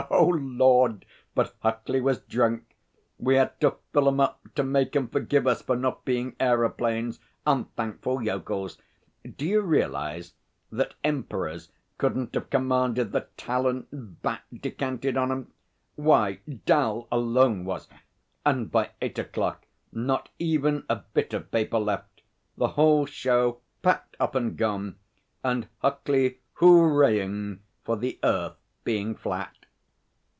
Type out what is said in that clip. Oh Lord, but Huckley was drunk! We had to fill 'em up to make 'em forgive us for not being aeroplanes. Unthankful yokels! D'you realise that Emperors couldn't have commanded the talent Bat decanted on 'em? Why, 'Dal alone was.... And by eight o'clock not even a bit of paper left! The whole show packed up and gone, and Huckley hoo raying for the earth being flat.'